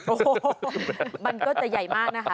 โอ้โหมันก็จะใหญ่มากนะคะ